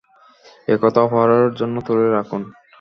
একথা অপরাহর জন্য তুলে রাখুন।